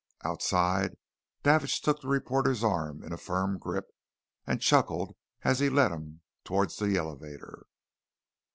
Outside, Davidge took the reporter's arm in a firm grip, and chuckled as he led him towards the elevator.